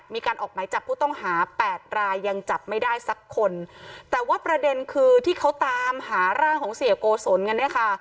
มีการออกไหมจับผู้ต้องหาแปดรายยังจับไม่ได้สักคนแต่ว่าประเด็นคือที่เขาตามหาร่างของเสียโกศลกันเนี่ยค่ะ